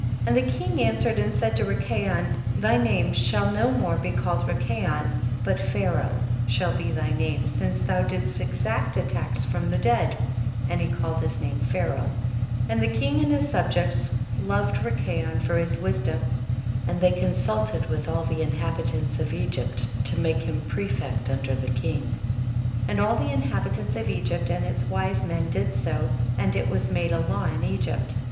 16. And the king answe>red and said to Rikayon, thy name shall no more be called Rikayon but Pha raoh* shall be thy name, since thou * Pharaoh from pic, to get paid, to exact. THE BOOK OF JASHER. 41 didst exact a l ix from the dead ; and he called his name Pharaoh, 28. And the king and his subjects loved Kikayon for his wisdom, and they consulted with all the inhabi lants of Egypt to make him prefect under the king. 29. And all the inhabitants of Egypt and its wise men did so, and it was made a law in Egypt.